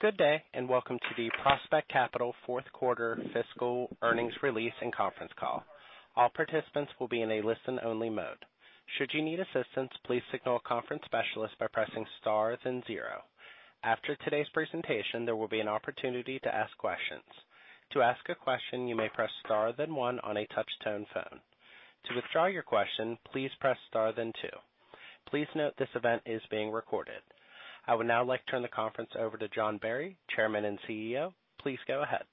Good day, and welcome to the Prospect Capital fourth quarter fiscal earnings release and conference call. All participants will be in listen only mode. Should you need assistance, please signal conference specialist by pressing star then zero. After today's presentation, there will be an opportunity to ask questions. To ask a question you may press star then one on a touch tone phone. To withdraw you question, please press star then two. Please note this event is being recorded. I would now like to turn the conference over to John Barry, Chairman and CEO. Please go ahead.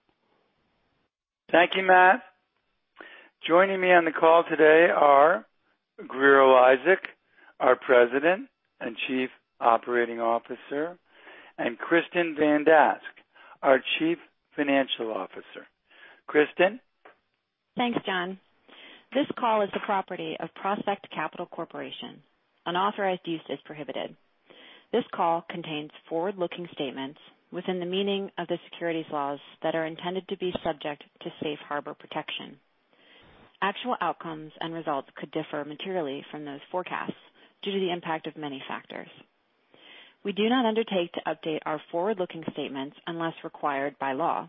Thank you, Matt. Joining me on the call today are Grier Eliasek, our President and Chief Operating Officer, and Kristin Van Dask, our Chief Financial Officer. Kristin? Thanks, John. This call is the property of Prospect Capital Corporation. Unauthorized use is prohibited. This call contains forward-looking statements within the meaning of the securities laws that are intended to be subject to safe harbor protection. Actual outcomes and results could differ materially from those forecasts due to the impact of many factors. We do not undertake to update our forward-looking statements unless required by law.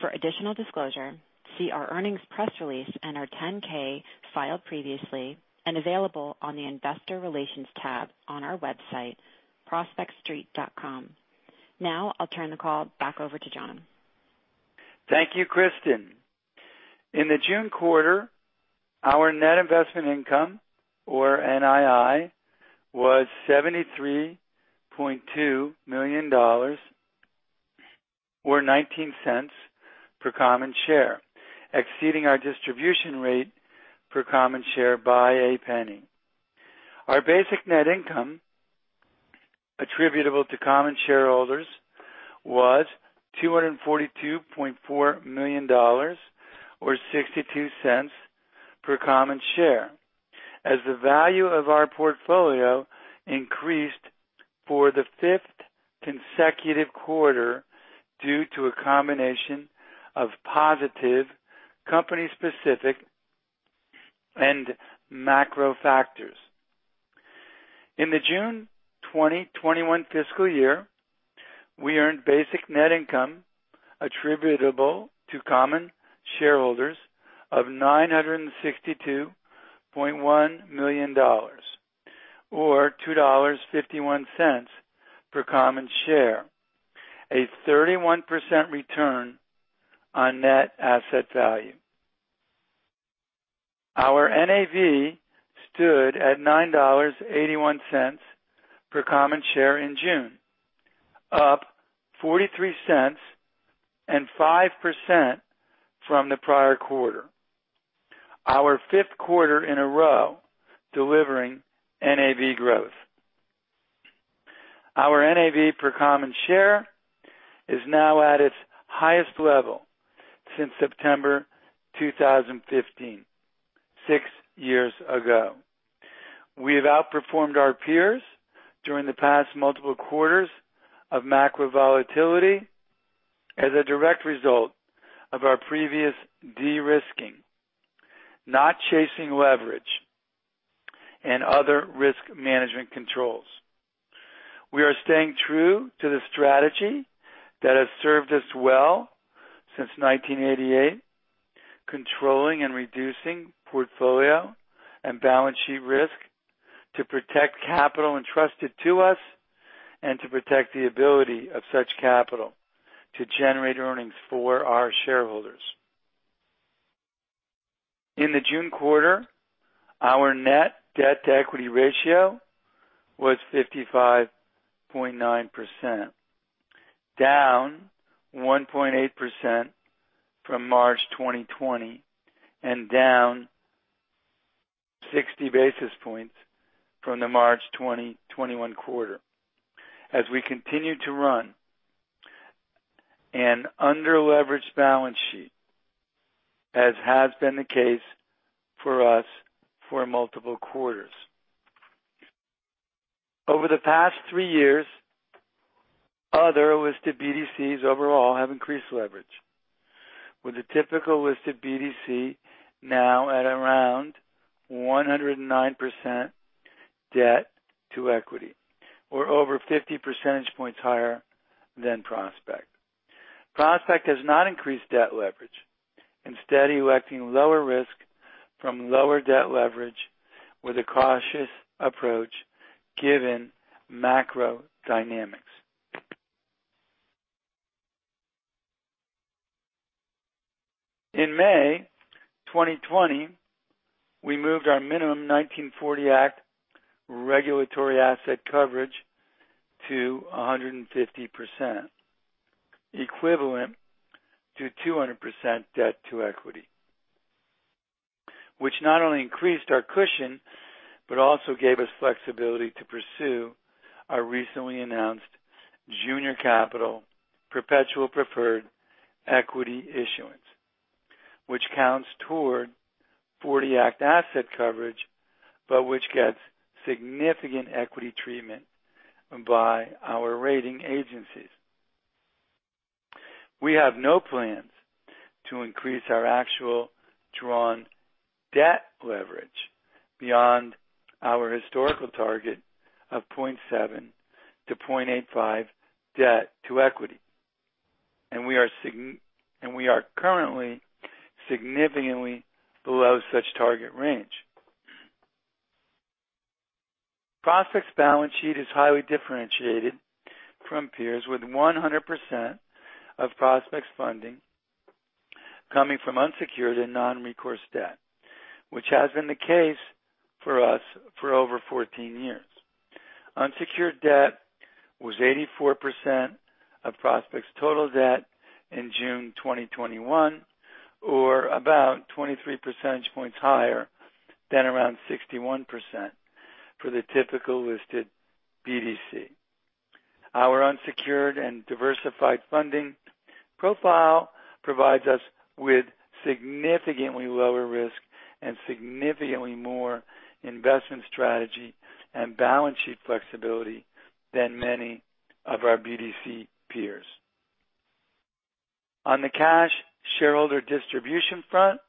For additional disclosure, see our earnings press release and our 10-K filed previously and available on the investor relations tab on our website prospectstreet.com. Now I'll turn the call back over to John. Thank you, Kristin. In the June quarter, our net investment income, or NII, was $73.2 million, or $0.19 per common share, exceeding our distribution rate per common share by $0.01. Our basic net income attributable to common shareholders was $242.4 million, or $0.62 per common share, as the value of our portfolio increased for the fifth consecutive quarter due to a combination of positive company-specific and macro factors. In the June 2021 fiscal year, we earned basic net income attributable to common shareholders of $962.1 million or $2.51 per common share, a 31% return on net asset value. Our NAV stood at $9.81 per common share in June, up $0.43 and 5% from the prior quarter, our fifth quarter in a row delivering NAV growth. Our NAV per common share is now at its highest level since September 2015, six years ago. We have outperformed our peers during the past multiple quarters of macro volatility as a direct result of our previous de-risking, not chasing leverage, and other risk management controls. We are staying true to the strategy that has served us well since 1988, controlling and reducing portfolio and balance sheet risk to protect capital entrusted to us and to protect the ability of such capital to generate earnings for our shareholders. In the June quarter, our net debt-to-equity ratio was 55.9%, down 1.8% from March 2020 and down 60 basis points from the March 2021 quarter as we continue to run an under-leveraged balance sheet, as has been the case for us for multiple quarters. Over the past three years, other listed BDCs overall have increased leverage, with the typical listed BDC now at around 109% debt to equity or over 50 percentage points higher than Prospect. Prospect has not increased debt leverage, instead electing lower risk from lower debt leverage with a cautious approach given macro dynamics. In May 2020, we moved our minimum 1940 Act regulatory asset coverage to 150%, equivalent to 200% debt to equity, which not only increased our cushion but also gave us flexibility to pursue our recently announced junior capital perpetual preferred equity issuance, which counts toward 40 Act asset coverage, but which gets significant equity treatment by our rating agencies. We have no plans to increase our actual drawn debt leverage beyond our historical target of 0.7-0.85 debt to equity. We are currently significantly below such target range. Prospect's balance sheet is highly differentiated from peers, with 100% of Prospect's funding coming from unsecured and non-recourse debt, which has been the case for us for over 14 years. Unsecured debt was 84% of Prospect's total debt in June 2021, or about 23 percentage points higher than around 61% for the typical listed BDC. Our unsecured and diversified funding profile provides us with significantly lower risk and significantly more investment strategy and balance sheet flexibility than many of our BDC peers. On the cash shareholder distribution front,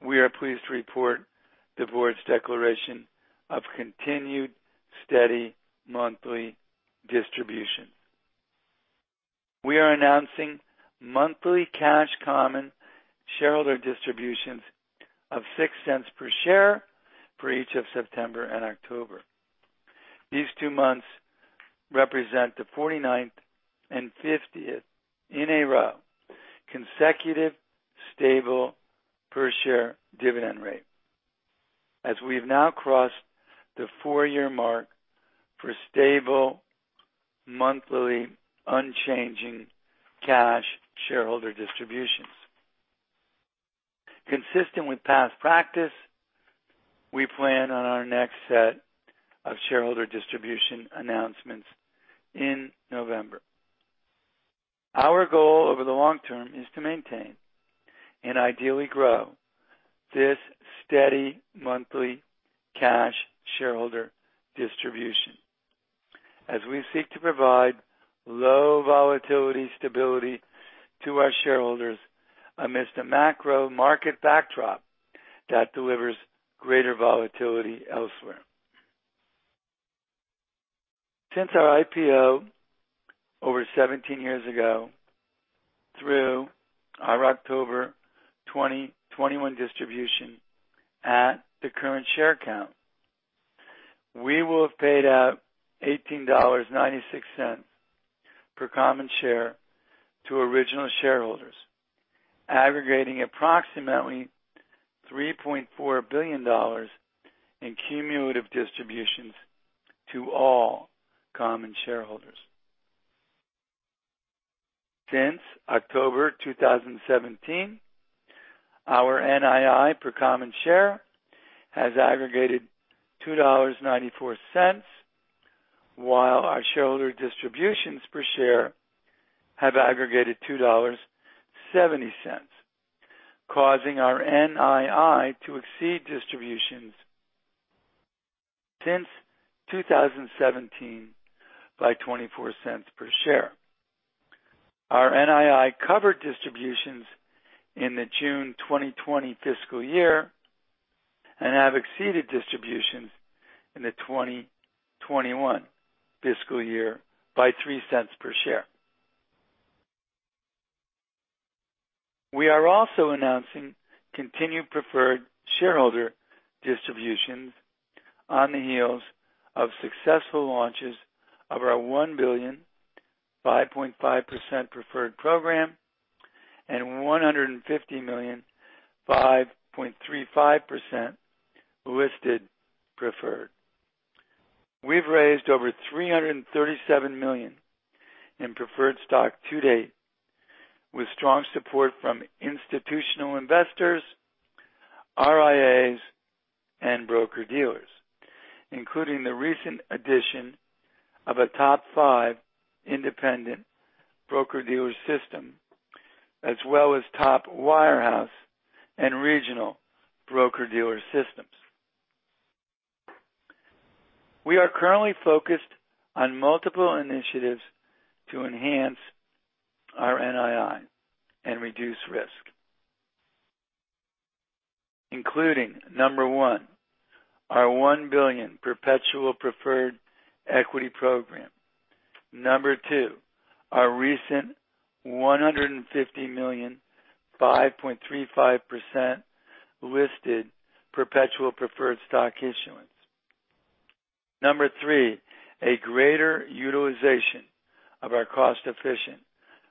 we are pleased to report the board's declaration of continued steady monthly distribution. We are announcing monthly cash common shareholder distributions of $0.06 per share for each of September and October. These two months represent the 49th and 50th in a row, consecutive stable per-share dividend rate, as we've now crossed the four-year mark for stable monthly unchanging cash shareholder distributions. Consistent with past practice, we plan on our next set of shareholder distribution announcements in November. Our goal over the long term is to maintain and ideally grow this steady monthly cash shareholder distribution as we seek to provide low volatility stability to our shareholders amidst a macro market backdrop that delivers greater volatility elsewhere. Since our IPO over 17 years ago, through our October 2021 distribution at the current share count, we will have paid out $18.96 per common share to original shareholders, aggregating approximately $3.4 billion in cumulative distributions to all common shareholders. Since October 2017, our NII per common share has aggregated $2.94, while our shareholder distributions per share have aggregated $2.70, causing our NII to exceed distributions since 2017 by $0.24 per share. Our NII covered distributions in the June 2020 fiscal year and have exceeded distributions in the 2021 fiscal year by $0.03 per share. We are also announcing continued preferred shareholder distributions on the heels of successful launches of our $1 billion 5.5% preferred program and $150 million 5.35% listed preferred. We've raised over $337 million in preferred stock to date with strong support from institutional investors, RIAs, and broker-dealers, including the recent addition of a top five independent broker-dealer system, as well as top wirehouse and regional broker-dealer systems. We are currently focused on multiple initiatives to enhance our NII and reduce risk, including, number one, our $1 billion perpetual preferred equity program. Number two, our recent $150 million, 5.35% listed perpetual preferred stock issuance. Number three, a greater utilization of our cost-efficient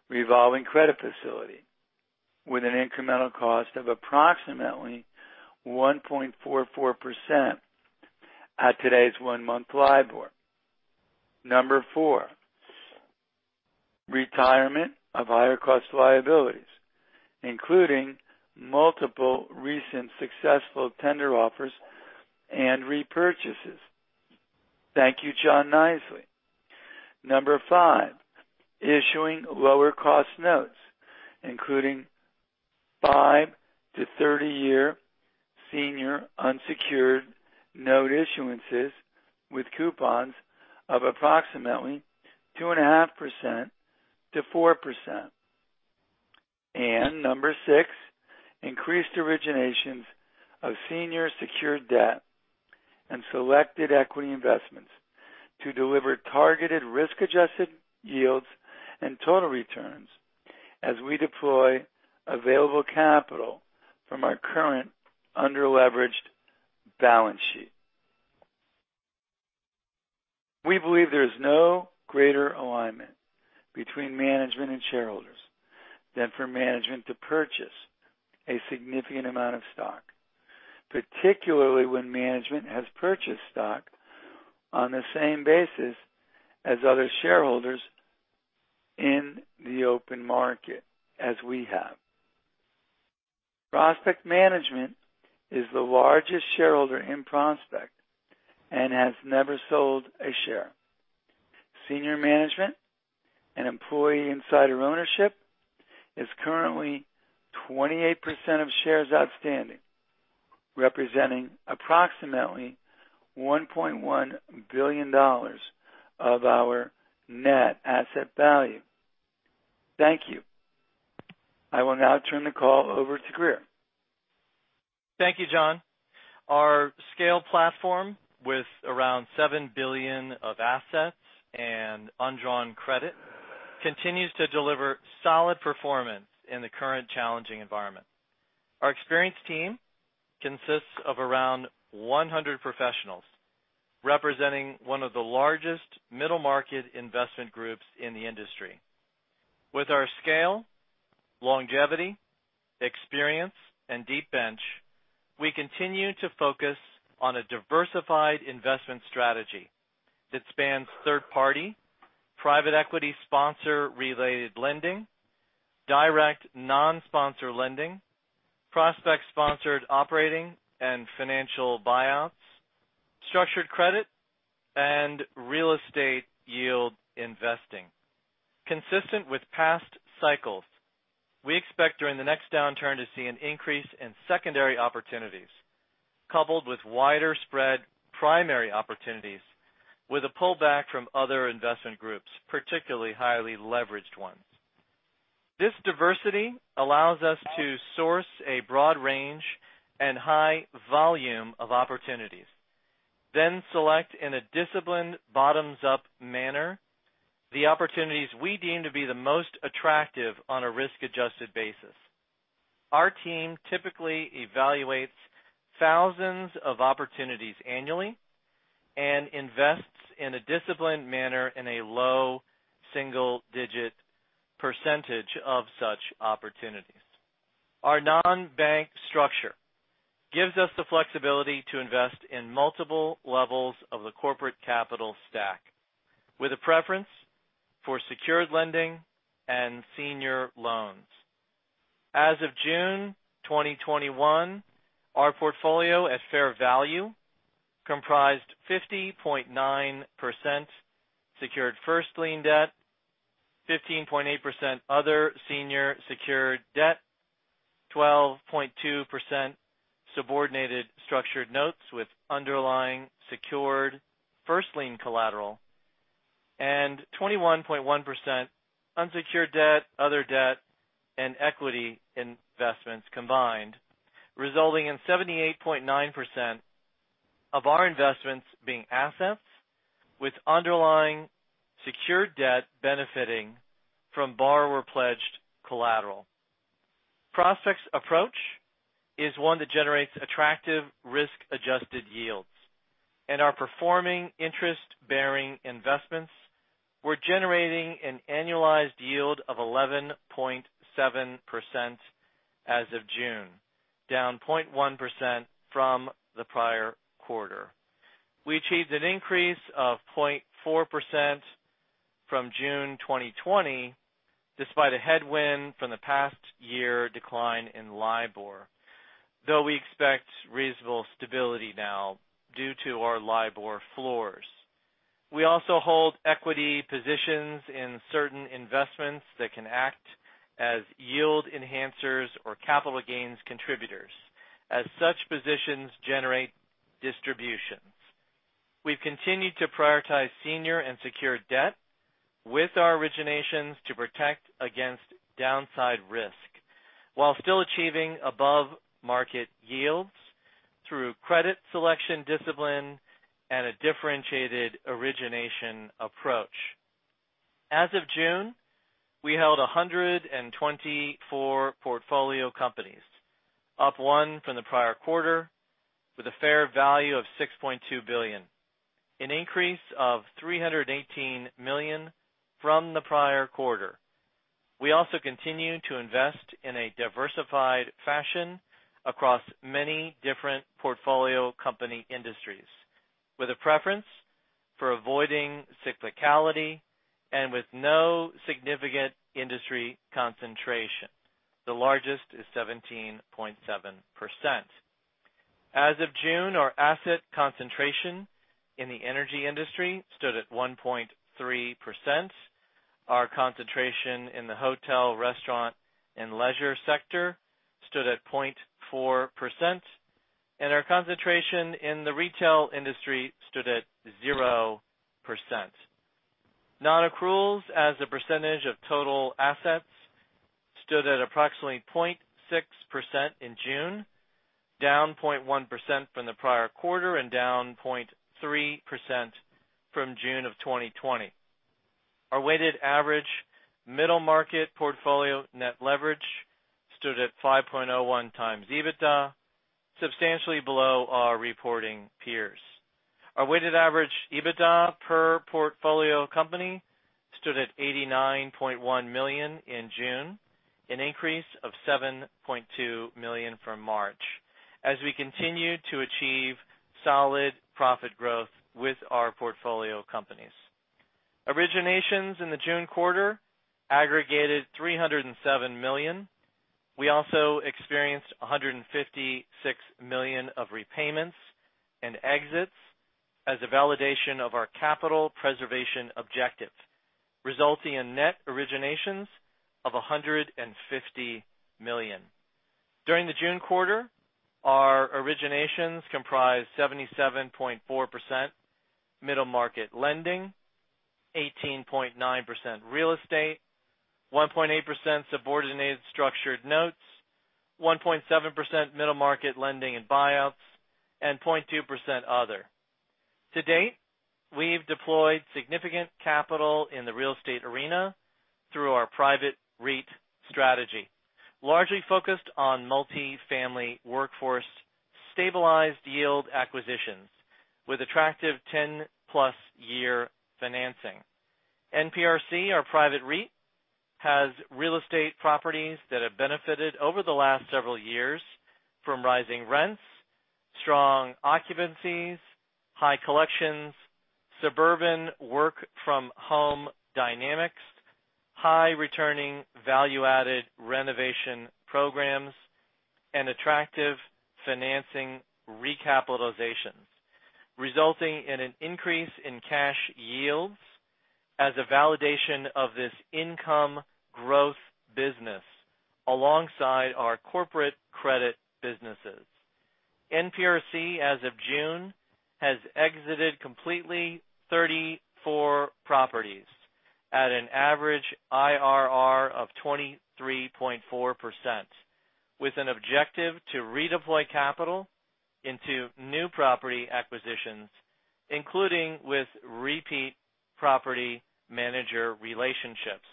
revolving credit facility with an incremental cost of approximately 1.44% at today's one-month LIBOR. Number four, retirement of higher cost liabilities, including multiple recent successful tender offers and repurchases. Thank you, John Kneisley. Number five, issuing lower cost notes, including five to 30-year senior unsecured note issuances with coupons of approximately 2.5%-4%. Number six, increased originations of senior secured debt and selected equity investments to deliver targeted risk-adjusted yields and total returns as we deploy available capital from our current under-leveraged balance sheet. We believe there is no greater alignment between management and shareholders than for management to purchase a significant amount of stock, particularly when management has purchased stock on the same basis as other shareholders in the open market, as we have. Prospect Management is the largest shareholder in Prospect and has never sold a share. Senior management and employee insider ownership is currently 28% of shares outstanding, representing approximately $1.1 billion of our net asset value. Thank you. I will now turn the call over to Grier. Thank you, John. Our scale platform with around $7 billion of assets and undrawn credit continues to deliver solid performance in the current challenging environment. Our experienced team consists of around 100 professionals, representing one of the largest middle-market investment groups in the industry. With our scale, longevity, experience, and deep bench, we continue to focus on a diversified investment strategy that spans third party, private equity sponsor-related lending, direct non-sponsor lending, prospect-sponsored operating and financial buyouts, structured credit, and real estate yield investing. Consistent with past cycles, we expect during the next downturn to see an increase in secondary opportunities, coupled with wider spread primary opportunities with a pullback from other investment groups, particularly highly leveraged ones. This diversity allows us to source a broad range and high volume of opportunities, then select in a disciplined bottoms-up manner the opportunities we deem to be the most attractive on a risk-adjusted basis. Our team typically evaluates thousands of opportunities annually and invests in a disciplined manner in a low single-digit percentage of such opportunities. Our non-bank structure gives us the flexibility to invest in multiple levels of the corporate capital stack with a preference for secured lending and senior loans. As of June 2021, our portfolio at fair value comprised 50.9% secured first lien debt, 15.8% other senior secured debt, 12.2% subordinated structured notes with underlying secured first lien collateral, and 21.1% unsecured debt, other debt and equity investments combined, resulting in 78.9% of our investments being assets with underlying secured debt benefiting from borrower-pledged collateral. Prospect's approach is one that generates attractive risk-adjusted yields. In our performing interest-bearing investments, we're generating an annualized yield of 11.7% as of June, down 0.1% from the prior quarter. We achieved an increase of 0.4% from June 2020, despite a headwind from the past year decline in LIBOR, though we expect reasonable stability now due to our LIBOR floors. We also hold equity positions in certain investments that can act as yield enhancers or capital gains contributors as such positions generate distributions. We've continued to prioritize senior and secured debt with our originations to protect against downside risk while still achieving above-market yields through credit selection discipline and a differentiated origination approach. As of June, we held 124 portfolio companies, up one from the prior quarter, with a fair value of $6.2 billion, an increase of $318 million from the prior quarter. We also continue to invest in a diversified fashion across many different portfolio company industries with a preference for avoiding cyclicality and with no significant industry concentration. The largest is 17.7%. As of June, our asset concentration in the energy industry stood at 1.3%. Our concentration in the hotel, restaurant, and leisure sector stood at 0.4%, and our concentration in the retail industry stood at 0%. Non-accruals as a percentage of total assets stood at approximately 0.6% in June, down 0.1% from the prior quarter and down 0.3% from June of 2020. Our weighted average middle market portfolio net leverage stood at 5.01x EBITDA, substantially below our reporting peers. Our weighted average EBITDA per portfolio company stood at $89.1 million in June, an increase of $7.2 million from March, as we continued to achieve solid profit growth with our portfolio companies. Originations in the June quarter aggregated $307 million. We also experienced $156 million of repayments and exits as a validation of our capital preservation objective, resulting in net originations of $150 million. During the June quarter, our originations comprised 77.4% middle market lending, 18.9% real estate, 1.8% subordinated structured notes, 1.7% middle market lending and buyouts, and 0.2% other. To date, we've deployed significant capital in the real estate arena through our private REIT strategy, largely focused on multi-family workforce stabilized yield acquisitions with attractive 10+ year financing. NPRC, our private REIT, has real estate properties that have benefited over the last several years from rising rents, strong occupancies, high collections, suburban work-from-home dynamics, high returning value-added renovation programs, and attractive financing recapitalizations, resulting in an increase in cash yields as a validation of this income growth business alongside our corporate credit businesses. NPRC, as of June, has exited completely 34 properties at an average IRR of 23.4%, with an objective to redeploy capital into new property acquisitions, including with repeat property manager relationships.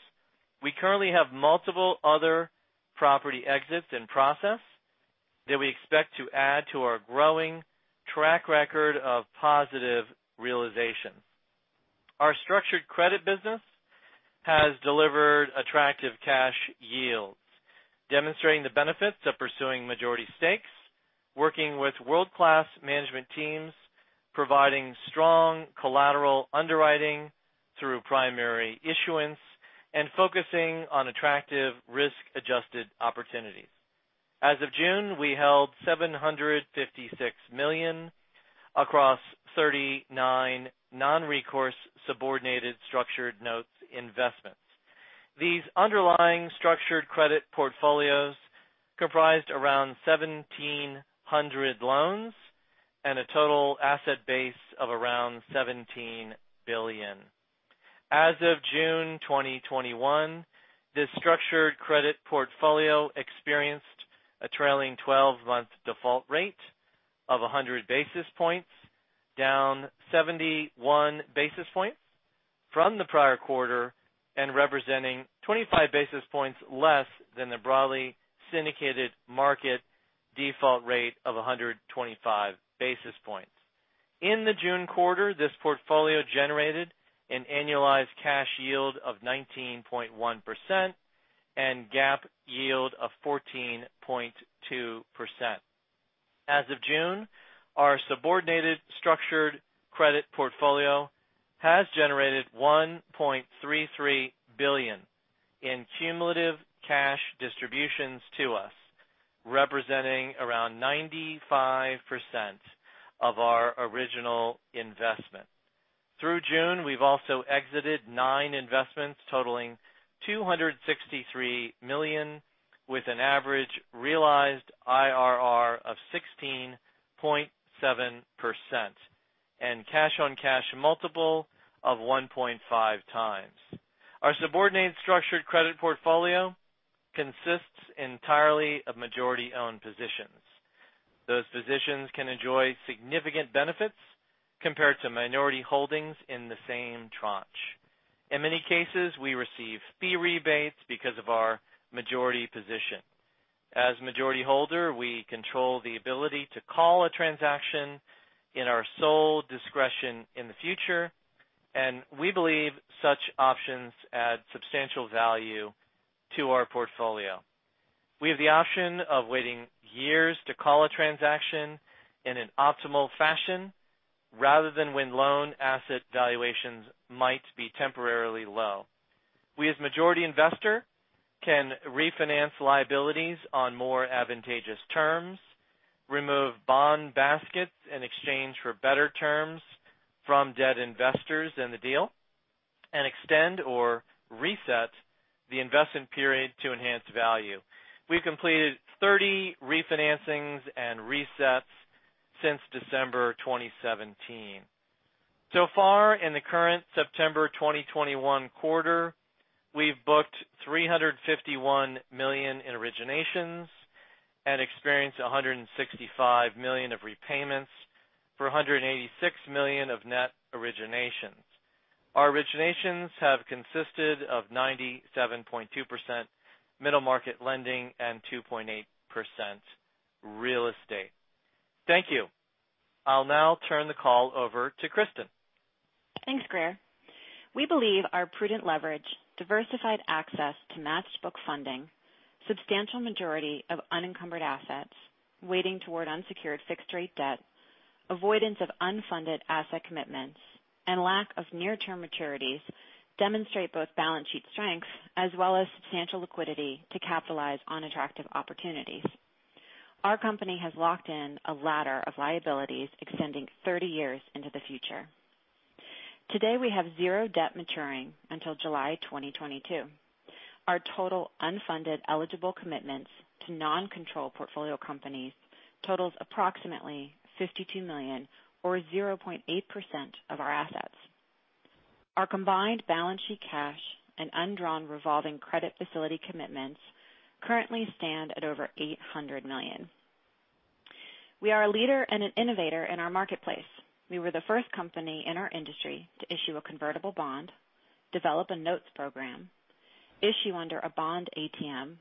We currently have multiple other property exits in process that we expect to add to our growing track record of positive realization. Our structured credit business has delivered attractive cash yields, demonstrating the benefits of pursuing majority stakes, working with world-class management teams, providing strong collateral underwriting through primary issuance, and focusing on attractive risk-adjusted opportunities. As of June, we held $756 million across 39 non-recourse subordinated structured notes investments. These underlying structured credit portfolios comprised around 1,700 loans and a total asset base of around $17 billion. As of June 2021, this structured credit portfolio experienced a trailing 12-month default rate of 100 basis points, down 71 basis points from the prior quarter and representing 25 basis points less than the broadly syndicated market default rate of 125 basis points. In the June quarter, this portfolio generated an annualized cash yield of 19.1% and GAAP yield of 14.2%. As of June, our subordinated structured credit portfolio has generated $1.33 billion in cumulative cash distributions to us, representing around 95% of our original investment. Through June, we've also exited nine investments totaling $263 million with an average realized IRR of 16.7% and cash-on-cash multiple of 1.5x. Our subordinated structured credit portfolio consists entirely of majority-owned positions. Those positions can enjoy significant benefits compared to minority holdings in the same tranche. In many cases, we receive fee rebates because of our majority position. As majority holder, we control the ability to call a transaction in our sole discretion in the future, and we believe such options add substantial value to our portfolio. We have the option of waiting years to call a transaction in an optimal fashion rather than when loan asset valuations might be temporarily low. We as majority investor can refinance liabilities on more advantageous terms, remove bond baskets in exchange for better terms from debt investors in the deal, and extend or reset the investment period to enhance value. We've completed 30 refinancings and resets since December 2017. So far, in the current September 2021 quarter, we've booked $351 million in originations and experienced $165 million of repayments for $186 million of net originations. Our originations have consisted of 97.2% middle market lending and 2.8% real estate. Thank you. I'll now turn the call over to Kristin. Thanks, Grier. We believe our prudent leverage, diversified access to matched book funding, substantial majority of unencumbered assets weighting toward unsecured fixed-rate debt, avoidance of unfunded asset commitments, and lack of near-term maturities demonstrate both balance sheet strength as well as substantial liquidity to capitalize on attractive opportunities. Our company has locked in a ladder of liabilities extending 30 years into the future. Today, we have zero debt maturing until July 2022. Our total unfunded eligible commitments to non-control portfolio companies totals approximately $52 million or 0.8% of our assets. Our combined balance sheet cash and undrawn revolving credit facility commitments currently stand at over $800 million. We are a leader and an innovator in our marketplace. We were the first company in our industry to issue a convertible bond, develop an InterNotes program, issue under a bond ATM,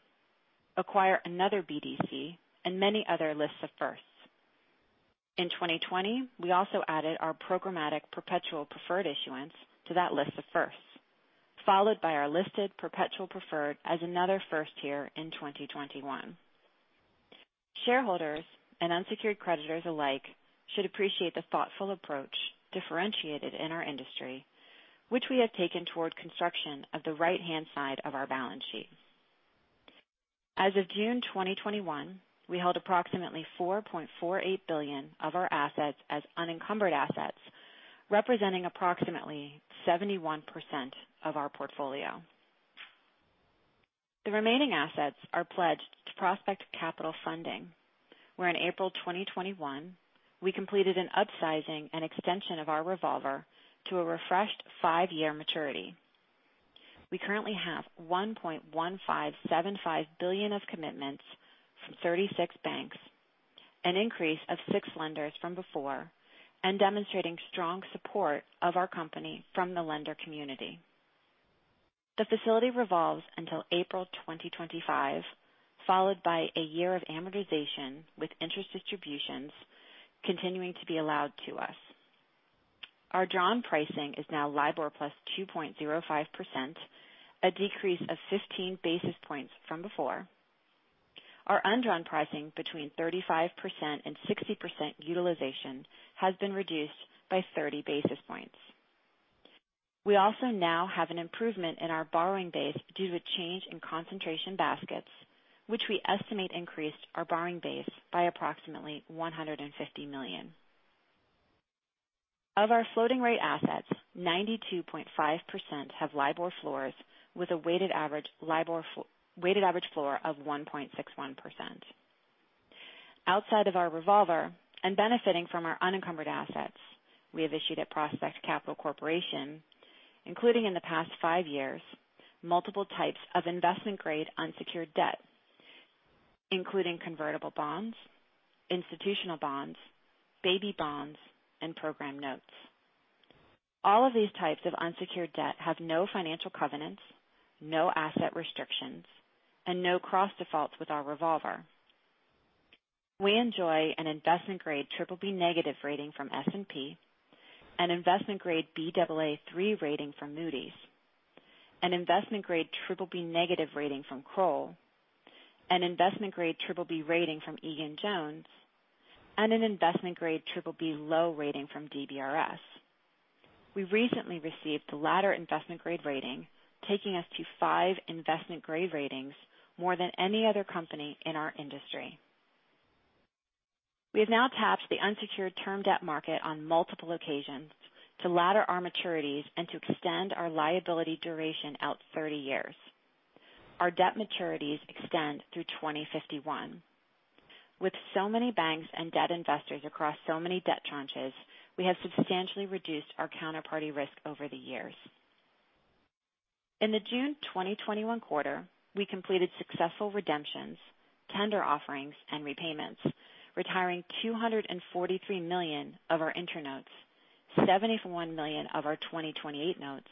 acquire another BDC, and many other lists of firsts. In 2020, we also added our programmatic perpetual preferred issuance to that list of firsts, followed by our listed perpetual preferred as another first here in 2021. Shareholders and unsecured creditors alike should appreciate the thoughtful approach differentiated in our industry, which we have taken toward construction of the right-hand side of our balance sheet. As of June 2021, we held approximately $4.48 billion of our assets as unencumbered assets, representing approximately 71% of our portfolio. The remaining assets are pledged to Prospect Capital Funding, where in April 2021, we completed an upsizing and extension of our revolver to a refreshed five-year maturity. We currently have $1.1575 billion of commitments from 36 banks, an increase of six lenders from before, and demonstrating strong support of our company from the lender community. The facility revolves until April 2025, followed by a year of amortization with interest distributions continuing to be allowed to us. Our drawn pricing is now LIBOR plus 2.05%, a decrease of 15 basis points from before. Our undrawn pricing between 35% and 60% utilization has been reduced by 30 basis points. We also now have an improvement in our borrowing base due to a change in concentration baskets, which we estimate increased our borrowing base by approximately $150 million. Of our floating rate assets, 92.5% have LIBOR floors with a weighted average floor of 1.61%. Outside of our revolver and benefiting from our unencumbered assets, we have issued at Prospect Capital Corporation, including in the past five years, multiple types of investment-grade unsecured debt, including convertible bonds, institutional bonds, baby bonds, and program notes. All of these types of unsecured debt have no financial covenants, no asset restrictions, and no cross defaults with our revolver. We enjoy an investment-grade BBB negative rating from S&P, an investment-grade Baa3 rating from Moody's, an investment-grade BBB negative rating from Kroll, an investment-grade BBB rating from Egan-Jones, and an investment-grade BBB low rating from DBRS. We recently received the latter investment-grade rating, taking us to five investment-grade ratings, more than any other company in our industry. We have now tapped the unsecured term debt market on multiple occasions to ladder our maturities and to extend our liability duration out 30 years. Our debt maturities extend through 2051. With so many banks and debt investors across so many debt tranches, we have substantially reduced our counterparty risk over the years. In the June 2021 quarter, we completed successful redemptions, tender offerings and repayments, retiring $243 million of our InterNotes, $71 million of our 2028 notes,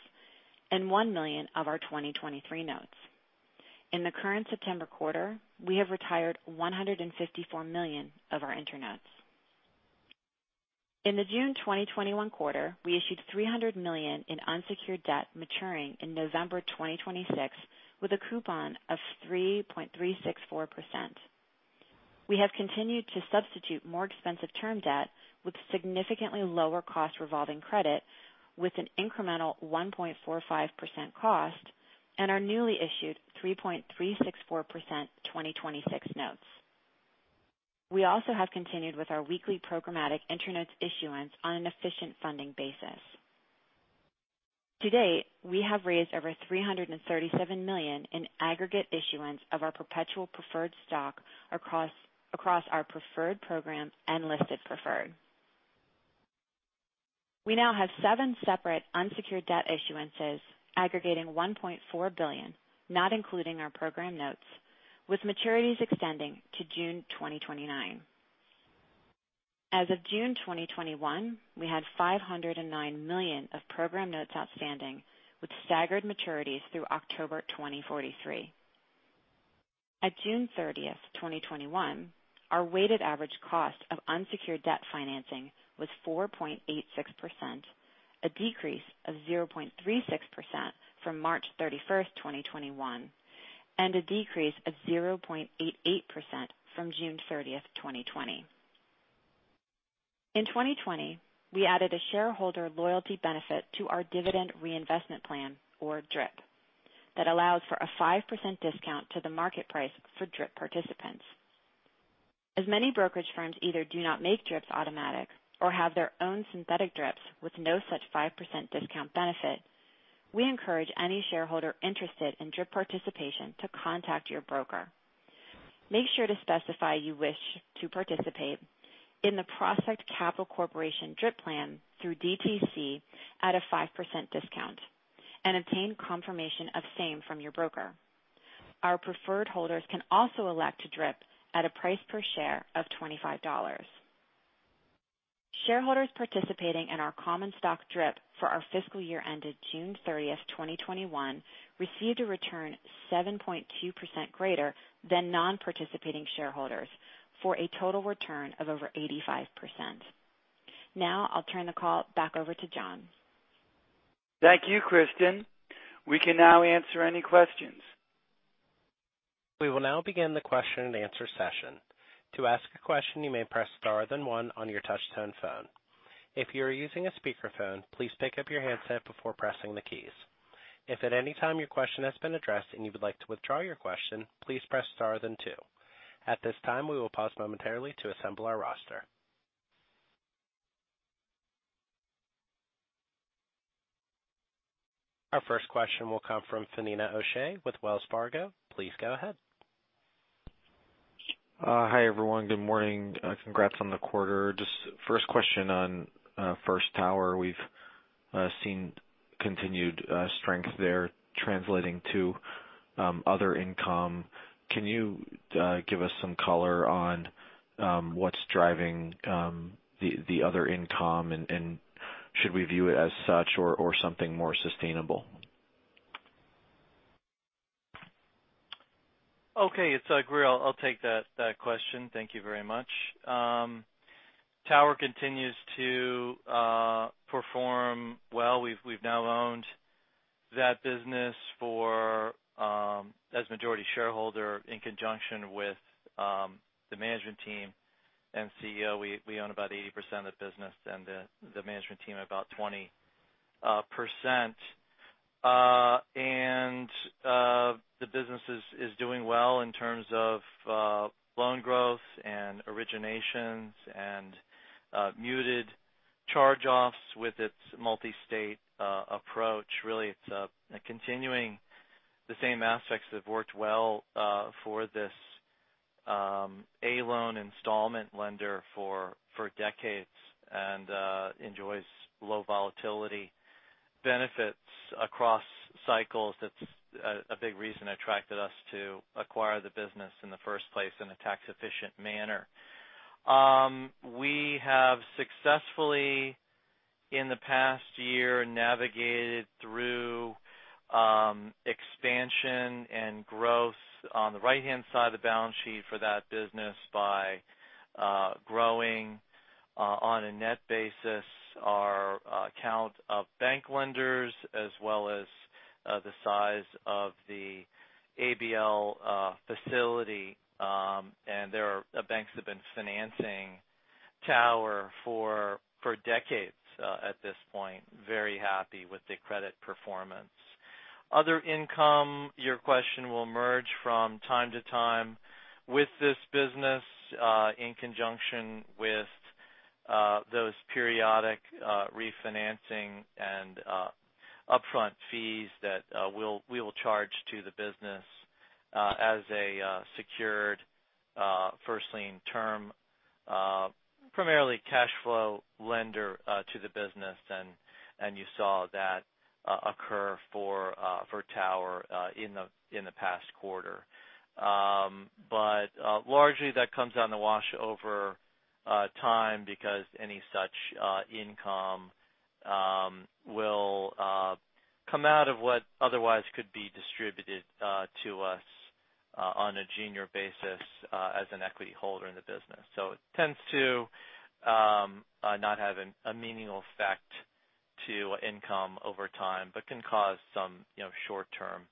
and $1 million of our 2023 notes. In the current September quarter, we have retired $154 million of our InterNotes. In the June 2021 quarter, we issued $300 million in unsecured debt maturing in November 2026 with a coupon of 3.364%. We have continued to substitute more expensive term debt with significantly lower cost revolving credit with an incremental 1.45% cost and our newly issued 3.364% 2026 notes. We also have continued with our weekly programmatic InterNotes issuance on an efficient funding basis. To date, we have raised over $337 million in aggregate issuance of our perpetual preferred stock across our preferred program and listed preferred. We now have seven separate unsecured debt issuances aggregating $1.4 billion, not including our program notes, with maturities extending to June 2029. As of June 2021, we had $509 million of program notes outstanding, with staggered maturities through October 2043. At June 30th, 2021, our weighted average cost of unsecured debt financing was 4.86%, a decrease of 0.36% from March 31st, 2021, and a decrease of 0.88% from June 30th, 2020. In 2020, we added a shareholder loyalty benefit to our dividend reinvestment plan, or DRIP, that allows for a 5% discount to the market price for DRIP participants. As many brokerage firms either do not make DRIPs automatic or have their own synthetic DRIPs with no such 5% discount benefit, we encourage any shareholder interested in DRIP participation to contact your broker. Make sure to specify you wish to participate in the Prospect Capital Corporation DRIP plan through DTC at a 5% discount and obtain confirmation of same from your broker. Our preferred holders can also elect to DRIP at a price per share of $25. Shareholders participating in our common stock DRIP for our fiscal year ended June 30th, 2021, received a return 7.2% greater than non-participating shareholders for a total return of over 85%. Now I'll turn the call back over to John. Thank you, Kristin. We can now answer any questions. Our first question will come from Finian O'Shea with Wells Fargo. Please go ahead. Hi, everyone. Good morning. Congrats on the quarter. Just first question on First Tower. We've seen continued strength there translating to other income. Can you give us some color on what's driving the other income, and should we view it as such or something more sustainable? Okay. It's Grier. I'll take that question. Thank you very much. Tower continues to perform well. We've now owned that business as majority shareholder in conjunction with the management team and CEO. We own about 80% of the business and the management team about 20%. The business is doing well in terms of loan growth and originations and muted charge-offs with its multi-state approach. Really, it's continuing the same aspects that have worked well for this A loan installment lender for decades and enjoys low volatility benefits across cycles. That's a big reason that attracted us to acquire the business in the first place in a tax-efficient manner. We have successfully, in the past year, navigated through expansion and growth on the right-hand side of the balance sheet for that business by growing, on a net basis, our count of bank lenders as well as the size of the ABL facility. The banks have been financing Tower for decades at this point. Very happy with the credit performance. Other income, your question will emerge from time to time with this business in conjunction with those periodic refinancing and upfront fees that we will charge to the business as a secured first lien term, primarily cash flow lender to the business. You saw that occur for Tower in the past quarter. Largely that comes out in the wash over time because any such income will come out of what otherwise could be distributed to us on a junior basis as an equity holder in the business. It tends to not have a meaningful effect to income over time, but can cause some short-term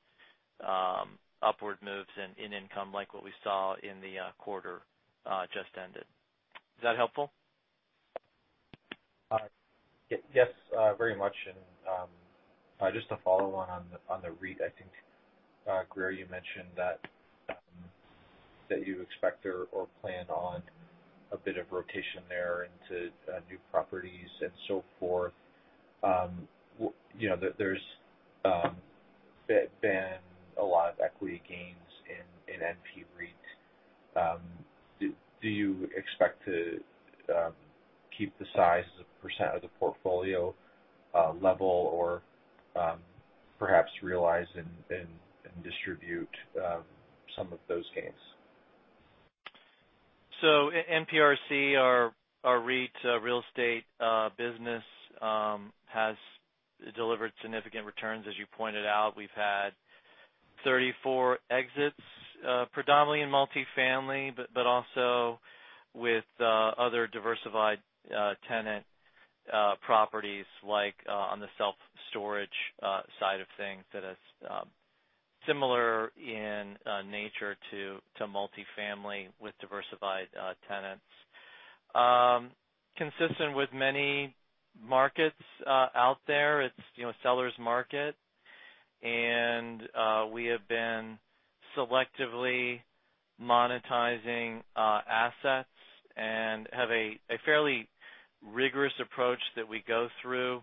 upward moves in income, like what we saw in the quarter just ended. Is that helpful? Yes, very much. Just to follow on the REIT, I think, Grier, you mentioned that you expect or plan on a bit of rotation there into new properties and so forth. There's been a lot of equity gains in NP REIT. Do you expect to keep the size as a percent of the portfolio level or perhaps realize and distribute some of those gains? NPRC, our REIT real estate business has delivered significant returns. As you pointed out, we've had 34 exits predominantly in multi-family, but also with other diversified tenant properties like on the self-storage side of things that is similar in nature to multi-family with diversified tenants. Consistent with many markets out there, it's a sellers market, and we have been selectively monetizing assets and have a fairly rigorous approach that we go through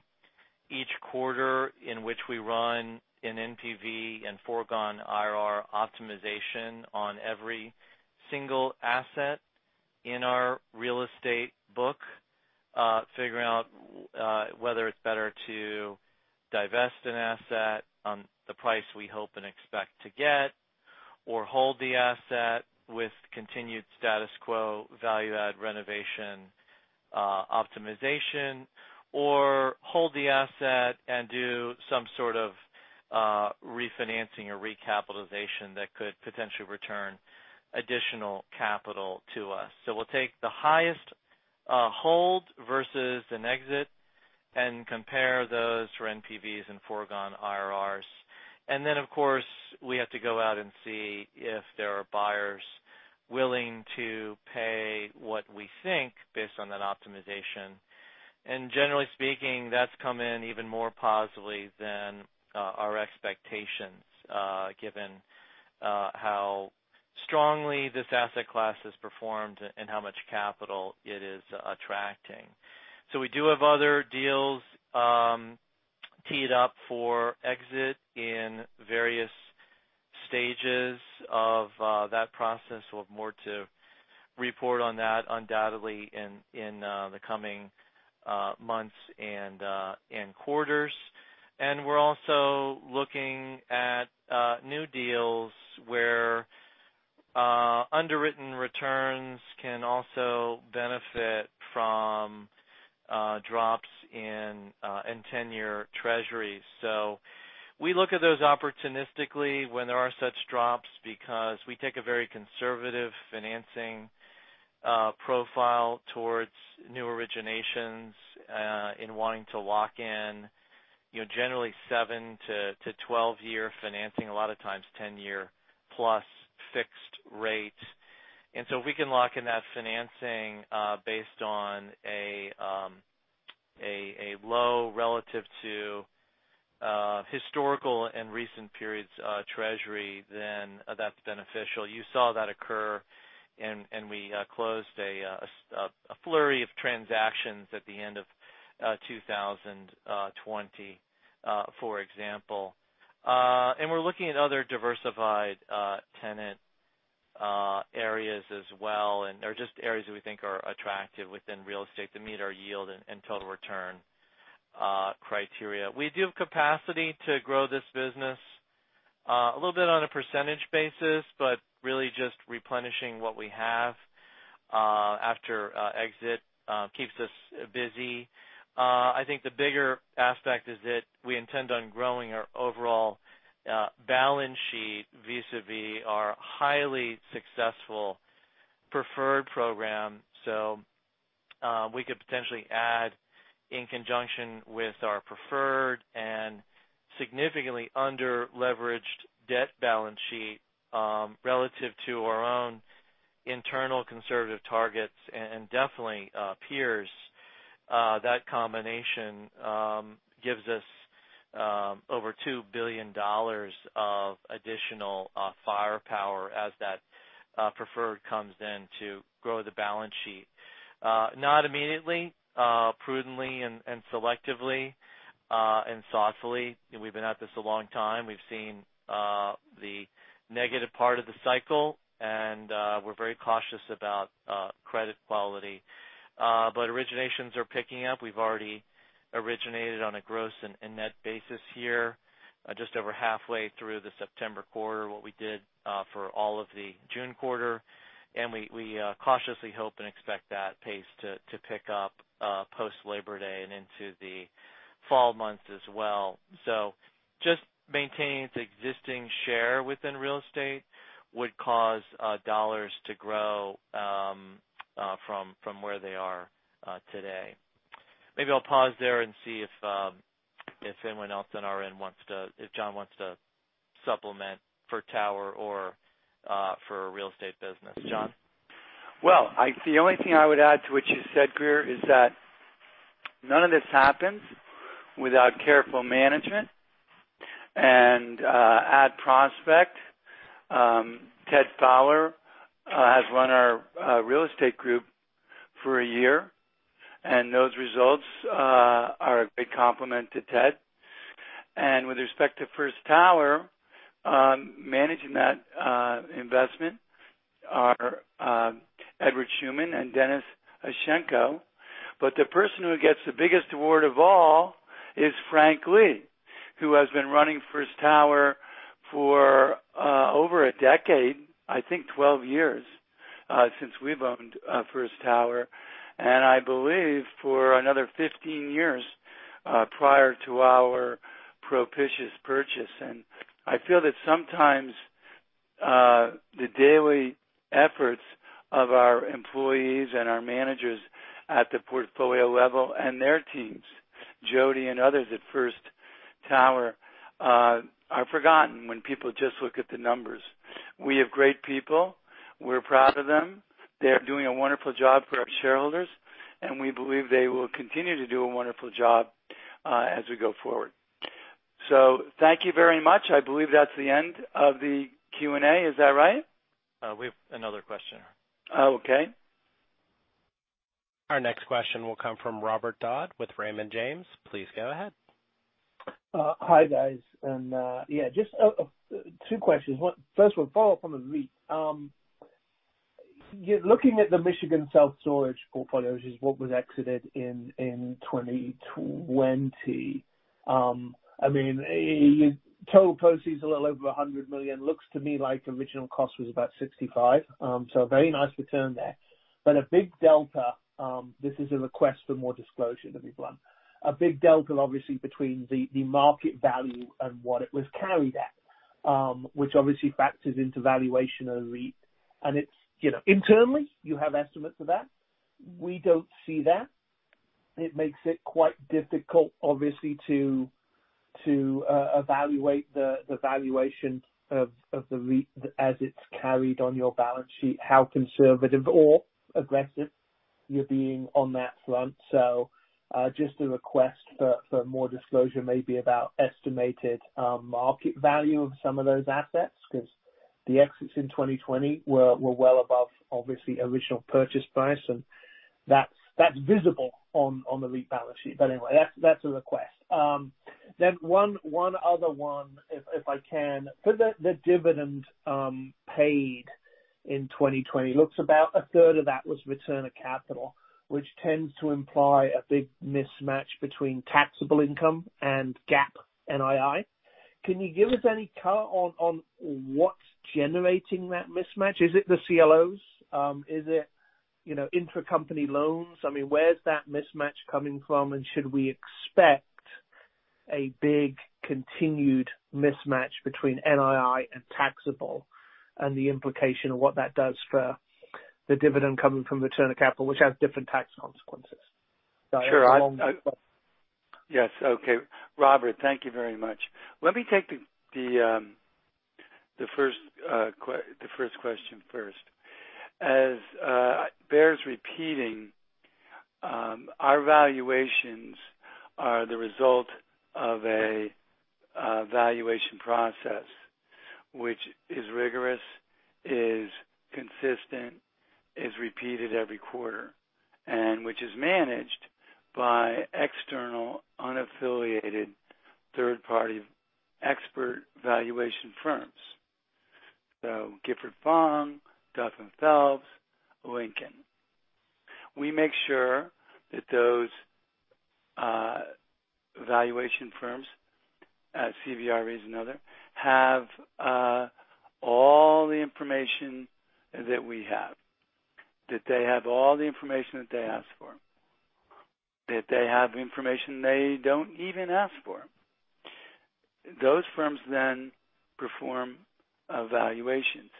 each quarter in which we run an NPV and foregone IRR optimization on every single asset in our real estate book. Figuring out whether it's better to divest an asset on the price we hope and expect to get or hold the asset with continued status quo value-add renovation optimization. Hold the asset and do some sort of refinancing or recapitalization that could potentially return additional capital to us. We'll take the highest hold versus an exit and compare those for NPVs and foregone IRRs. Then, of course, we have to go out and see if there are buyers willing to pay what we think based on that optimization. Generally speaking, that's come in even more positively than our expectations, given how strongly this asset class has performed and how much capital it is attracting. We do have other deals teed up for exit in various stages of that process. We'll have more to report on that undoubtedly in the coming months and quarters. We're also looking at new deals where underwritten returns can also benefit from drops in 10-year treasuries. We look at those opportunistically when there are such drops because we take a very conservative financing profile towards new originations in wanting to lock in generally seven to 12-year financing, a lot of times, 10-year+ fixed rates. If we can lock in that financing based on a low relative to historical and recent periods treasury, then that's beneficial. You saw that occur, and we closed a flurry of transactions at the end of 2020, for example. We're looking at other diversified tenant areas as well, and they're just areas that we think are attractive within real estate that meet our yield and total return criteria. We do have capacity to grow this business a little bit on a percentage basis, but really just replenishing what we have after exit keeps us busy. I think the bigger aspect is that we intend on growing our overall balance sheet vis-a-vis our highly successful preferred program. We could potentially add in conjunction with our preferred and significantly under-leveraged debt balance sheet relative to our own internal conservative targets and definitely peers. That combination gives us over $2 billion of additional firepower as that preferred comes in to grow the balance sheet. Not immediately. Prudently and selectively and thoughtfully. We've been at this a long time. We've seen the negative part of the cycle, and we're very cautious about credit quality. Originations are picking up. We've already originated on a gross and net basis here, just over halfway through the September quarter, what we did for all of the June quarter. We cautiously hope and expect that pace to pick up post Labor Day and into the fall months as well. Just maintaining the existing share within real estate would cause dollars to grow. From where they are today. Maybe I'll pause there and see if anyone else on our end wants to. If John wants to supplement for Tower or for our real estate business. John? Well, the only thing I would add to what you said, Grier, is that none of this happens without careful management. At Prospect, Ted Fowler has run our real estate group for a year, and those results are a great compliment to Ted. With respect to First Tower, managing that investment are Edward Shuman and Denis Ishchenko. The person who gets the biggest award of all is Frank Lee, who has been running First Tower for over a decade, I think 12 years, since we've owned First Tower, and I believe for another 15 years, prior to our propitious purchase. I feel that sometimes, the daily efforts of our employees and our managers at the portfolio level and their teams, Jody and others at First Tower, are forgotten when people just look at the numbers. We have great people. We're proud of them. They are doing a wonderful job for our shareholders, and we believe they will continue to do a wonderful job, as we go forward. Thank you very much. I believe that's the end of the Q&A. Is that right? We have another question. Okay. Our next question will come from Robert Dodd with Raymond James. Please go ahead. Hi, guys. Yeah, just two questions. First one, follow-up on the REIT. Looking at the Michigan Self Storage portfolios, what was exited in 2020. I mean, total proceeds a little over $100 million. Looks to me like original cost was about $65. Very nice return there. A big Delta, this is a request for more disclosure to be blunt. A big Delta, obviously, between the market value and what it was carried at, which obviously factors into valuation of the REIT. Internally, you have estimates for that. We don't see that. It makes it quite difficult, obviously, to evaluate the valuation of the REIT as it's carried on your balance sheet, how conservative or aggressive you're being on that front. Just a request for more disclosure, maybe about estimated market value of some of those assets, because the exits in 2020 were well above, obviously, original purchase price, and that's visible on the REIT balance sheet. That's a request. One other one, if I can. For the dividend paid in 2020, looks about 1/3 of that was return of capital, which tends to imply a big mismatch between taxable income and GAAP NII. Can you give us any color on what's generating that mismatch? Is it the CLOs? Is it intracompany loans? I mean, where's that mismatch coming from, and should we expect a big continued mismatch between NII and taxable, and the implication of what that does for the dividend coming from return of capital, which has different tax consequences? Sure. Yes. Okay. Robert, thank you very much. Let me take the first question first. As bears repeating, our valuations are the result of a valuation process which is rigorous, is consistent, is repeated every quarter, and which is managed by external, unaffiliated, third-party expert valuation firms. Gifford Fong, Duff & Phelps, Lincoln. We make sure that those valuation firms, CVR is another, have all the information that we have, that they have all the information that they ask for, that they have information they don't even ask for. Those firms perform evaluations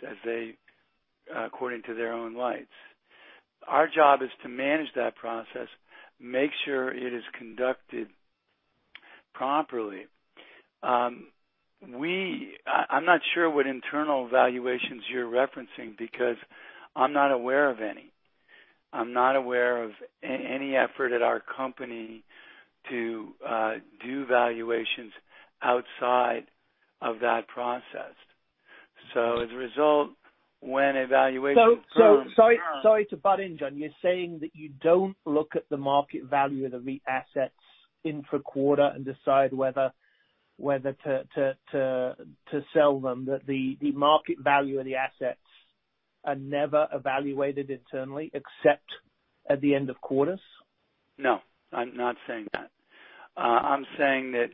according to their own lights. Our job is to manage that process, make sure it is conducted properly. I'm not sure what internal valuations you're referencing because I'm not aware of any. I'm not aware of any effort at our company to do valuations outside of that process. As a result, when a valuation firm. Sorry to butt in, John. You're saying that you don't look at the market value of the REIT assets intra-quarter and decide whether to sell them, that the market value of the assets are never evaluated internally except at the end of quarters? No, I'm not saying that. I'm saying that,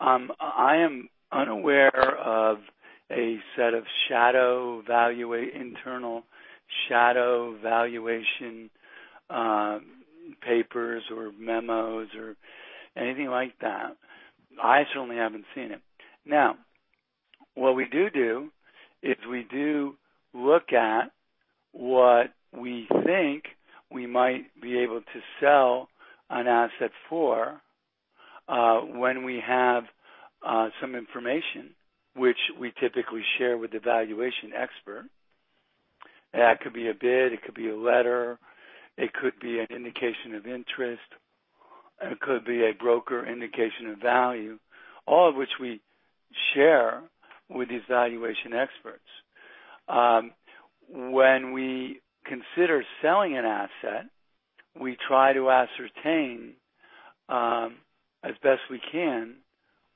I am unaware of a set of internal shadow valuation papers or memos or anything like that. I certainly haven't seen it. Now, what we do is we do look at what we think we might be able to sell an asset for, when we have some information, which we typically share with the valuation expert. That could be a bid, it could be a letter, it could be an indication of interest, it could be a broker indication of value, all of which we share with these valuation experts. When we consider selling an asset, we try to ascertain, as best as we can,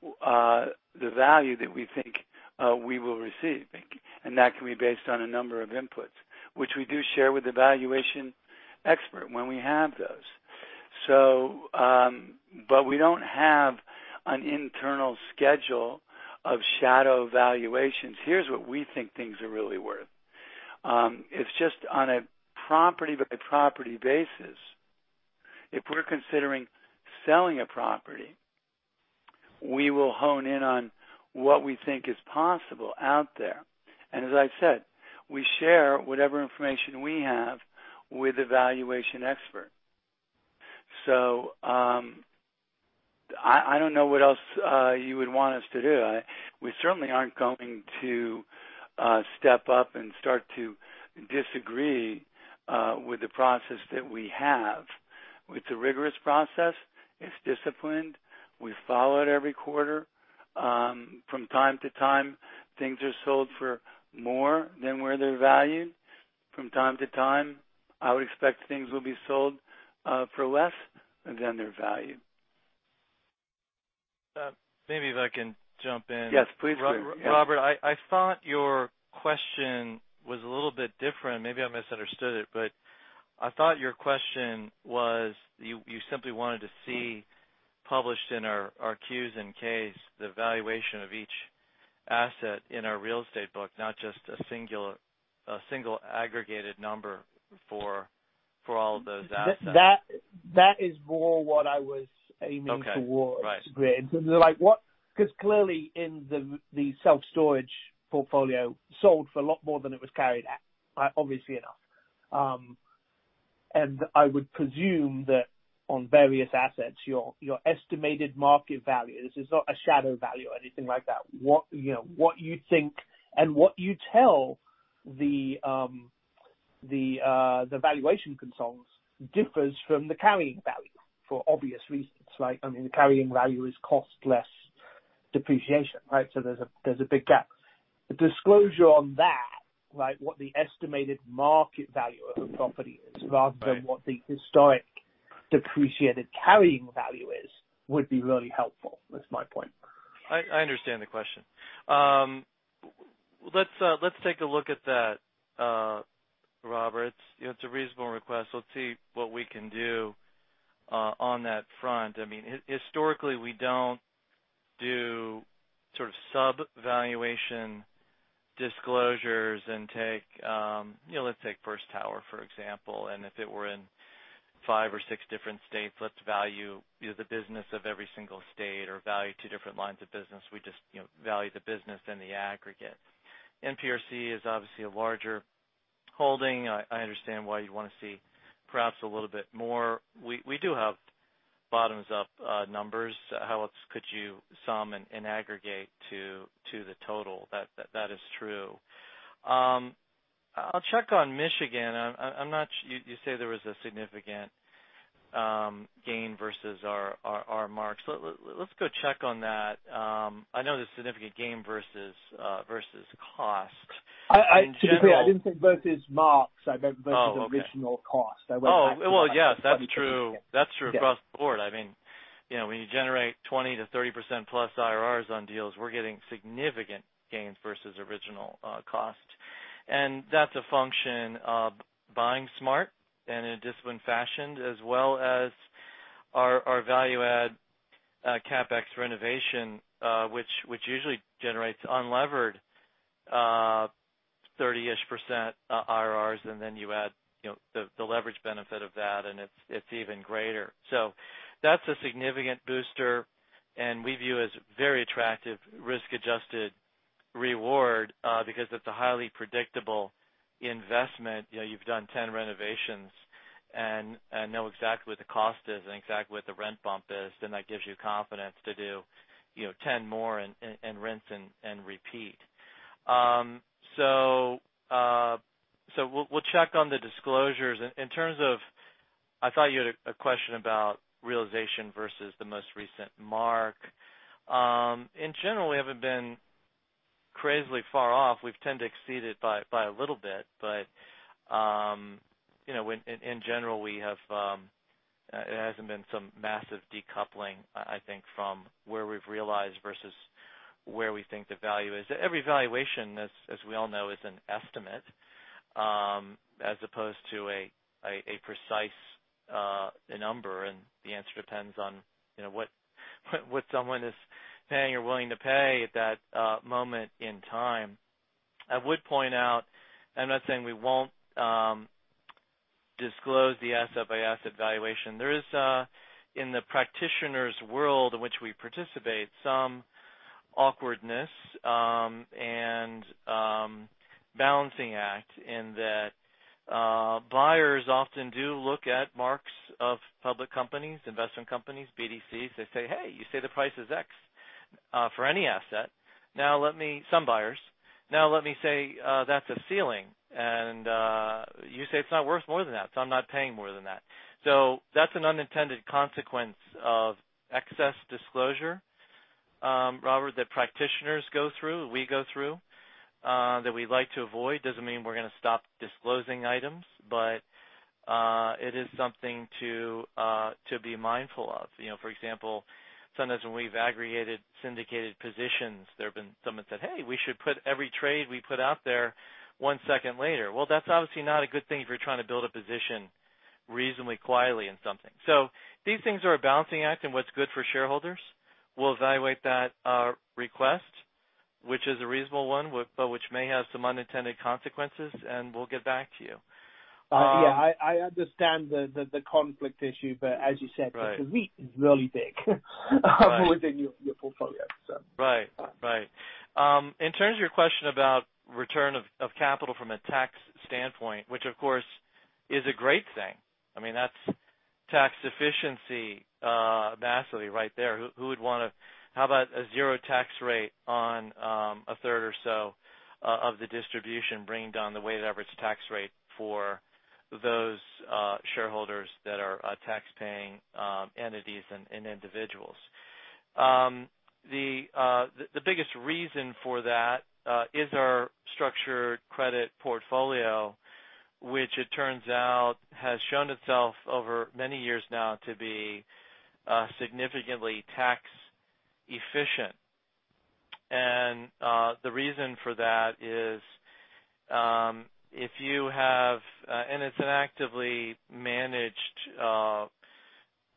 the value that we think we will receive. And that can be based on a number of inputs, which we do share with the valuation expert when we have those. We don't have an internal schedule of shadow valuations. Here's what we think things are really worth. It's just on a property-by-property basis. If we're considering selling a property, we will hone in on what we think is possible out there. As I've said, we share whatever information we have with the valuation expert. I don't know what else you would want us to do. We certainly aren't going to step up and start to disagree with the process that we have. It's a rigorous process. It's disciplined. We follow it every quarter. From time to time, things are sold for more than where they're valued. From time to time, I would expect things will be sold for less than their value. Maybe if I can jump in. Yes, please do. Robert, I thought your question was a little bit different. Maybe I misunderstood it, but I thought your question was you simply wanted to see published in our Qs and Ks, the valuation of each asset in our real estate book, not just a single aggregated number for all of those assets. That is more what I was aiming towards, Grier. Okay. Right. Clearly, in the self-storage portfolio, sold for a lot more than it was carried at, obviously enough. I would presume that on various assets, your estimated market value, this is not a shadow value or anything like that. What you think and what you tell the valuation consultants differs from the carrying value for obvious reasons. I mean, the carrying value is cost less depreciation, right? There's a big gap. The disclosure on that, what the estimated market value of a property is rather than what the historic depreciated carrying value is, would be really helpful. That's my point. I understand the question. Let's take a look at that, Robert. It's a reasonable request. We'll see what we can do on that front. Historically, we don't do sort of sub-valuation disclosures and let's take First Tower, for example. If it were in five or six different states, let's value the business of every single state or value two different lines of business. We just value the business in the aggregate. NPRC is obviously a larger holding. I understand why you'd want to see perhaps a little bit more. We do have bottoms-up numbers. How else could you sum and aggregate to the total? That is true. I'll check on Michigan. You say there was a significant gain versus our marks. Let's go check on that. I know there's significant gain versus cost. To be clear, I didn't say versus marks. I meant versus. Oh, okay. Original cost. I went back to. Oh, well, yes, that's true. That's true across the board. When you generate 20%-30%+ IRRs on deals, we're getting significant gains versus original cost. That's a function of buying smart and in a disciplined fashion, as well as our value add CapEx renovation, which usually generates unlevered 30-ish% IRRs, then you add the leverage benefit of that, and it's even greater. That's a significant booster, and we view as very attractive risk-adjusted reward, because it's a highly predictable investment. You've done 10 renovations and know exactly what the cost is and exactly what the rent bump is, then that gives you confidence to do 10 more and rinse and repeat. We'll check on the disclosures. In terms of, I thought you had a question about realization versus the most recent mark. In general, we haven't been crazily far off. We've tended to exceed it by a little bit. In general, there hasn't been some massive decoupling, I think, from where we've realized versus where we think the value is. Every valuation, as we all know, is an estimate, as opposed to a precise number, and the answer depends on what someone is paying or willing to pay at that moment in time. I would point out, I'm not saying we won't disclose the asset by asset valuation. There is, in the practitioner's world in which we participate, some awkwardness and balancing act in that buyers often do look at marks of public companies, investment companies, BDCs. They say, "Hey, you say the price is X for any asset." Some buyers. "Now let me say that's a ceiling. You say it's not worth more than that, so I'm not paying more than that." That's an unintended consequence of excess disclosure, Robert, that practitioners go through, we go through, that we'd like to avoid. Doesn't mean we're going to stop disclosing items, but it is something to be mindful of. For example, sometimes when we've aggregated syndicated positions, someone said, "Hey, we should put every trade we put out there one second later." Well, that's obviously not a good thing if you're trying to build a position reasonably quietly in something. These things are a balancing act in what's good for shareholders. We'll evaluate that request, which is a reasonable one, but which may have some unintended consequences, and we'll get back to you. Yeah. I understand the conflict issue, but as you said. Right. The REIT is really big within your portfolio. Right. In terms of your question about return of capital from a tax standpoint, which, of course, is a great thing. That's tax efficiency massively right there. How about a zero tax rate on 1/3 or so of the distribution bringing down the weighted average tax rate for those shareholders that are tax-paying entities and individuals? The biggest reason for that is our structured credit portfolio, which it turns out has shown itself over many years now to be significantly tax efficient. The reason for that is, it's an actively managed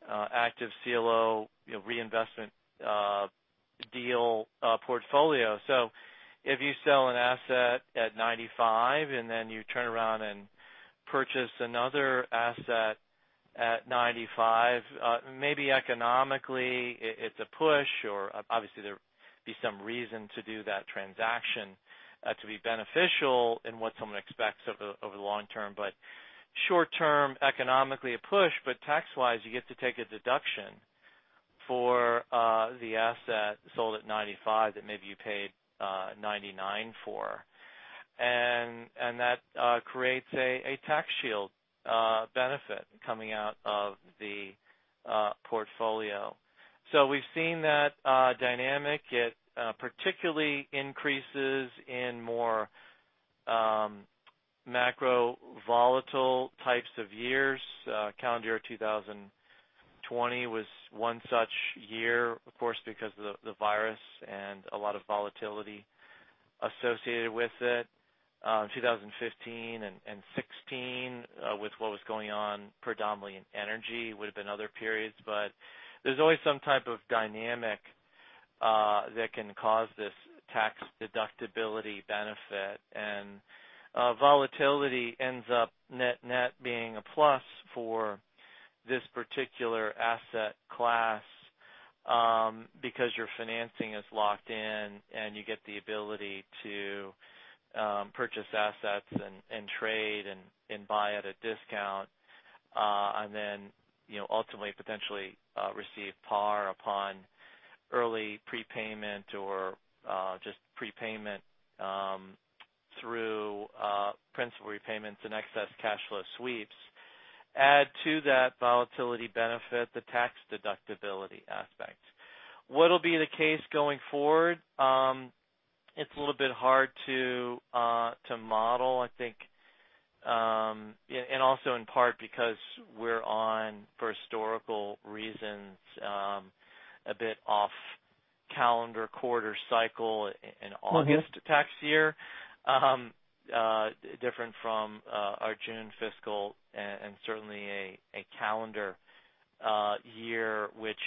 active CLO reinvestment deal portfolio. If you sell an asset at 95 and then you turn around and purchase another asset at 95, maybe economically it's a push or obviously there'd be some reason to do that transaction to be beneficial in what someone expects over the long term. Short term, economically a push, but tax-wise, you get to take a deduction for the asset sold at $95 that maybe you paid $99 for. That creates a tax shield benefit coming out of the portfolio. We've seen that dynamic. It particularly increases in more macro-volatile types of years. Calendar year 2020 was one such year, of course, because of the virus and a lot of volatility associated with it. 2015 and 2016, with what was going on predominantly in energy would've been other periods. There's always some type of dynamic that can cause this tax deductibility benefit. Volatility ends up net being a plus for this particular asset class because your financing is locked in, and you get the ability to purchase assets and trade and buy at a discount. Then ultimately, potentially receive par upon early prepayment or just prepayment through principal repayments and excess cash flow sweeps. Add to that volatility benefit, the tax deductibility aspect. What'll be the case going forward? It's a little bit hard to model, I think. Also in part because we're on, for historical reasons, a bit off-calendar quarter cycle. In August tax year. Different from our June fiscal and certainly a calendar year, which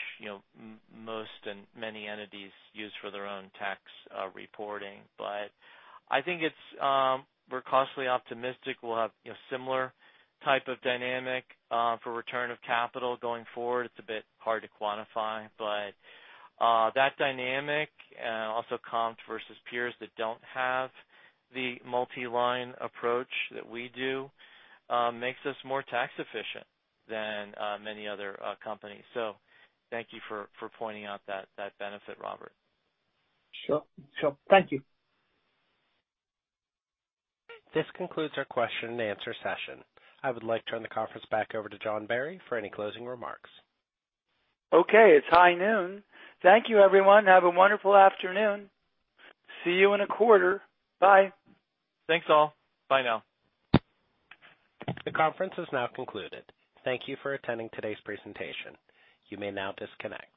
most and many entities use for their own tax reporting. I think we're cautiously optimistic we'll have similar type of dynamic for return of capital going forward. It's a bit hard to quantify. That dynamic, and also comped versus peers that don't have the multi-line approach that we do makes us more tax efficient than many other companies. Thank you for pointing out that benefit, Robert. Sure. Thank you. This concludes our question-and-answer session. I would like to turn the conference back over to John Barry for any closing remarks. Okay. It's high noon. Thank you, everyone. Have a wonderful afternoon. See you in a quarter. Bye. Thanks, all. Bye now. The conference is now concluded. Thank you for attending today's presentation. You may now disconnect.